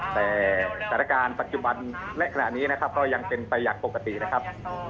แต่สถานการณ์ปัจจุบันและขณะนี้นะครับก็ยังเป็นไปอย่างปกตินะครับ